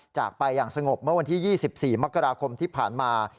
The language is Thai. จากไปอย่างสงบเมื่อวันที่๒๔มกราคมที่ผ่านมา